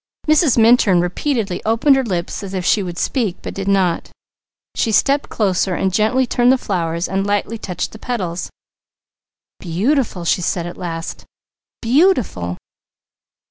Mrs. Minturn repeatedly opened her lips as if she would speak, but did not. She stepped closer and gently turned the flowers and lightly touched the petals. "Beautiful!" she said at last. "Beautiful!"